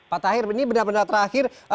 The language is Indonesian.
pak tahir ini benar benar terakhir